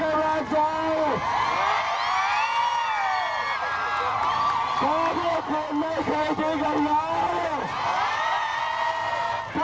เพราะพวกคนไม่เคยช่วยกันเลย